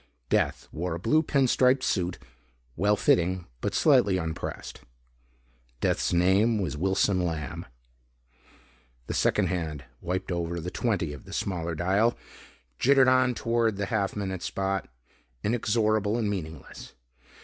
Death wore a blue pin stripe suit, well fitting but slightly unpressed. Death's name was Wilson Lamb. The second hand wiped over the "20" of the smaller dial, jittered on toward the half minute spot. Inexorable and meaningless.